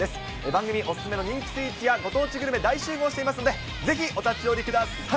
番組お勧めの人気スイーツやご当地グルメ、大集合していますので、ぜひお立ち寄りください。